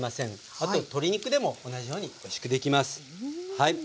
あと鶏肉でも同じようにおいしくできます。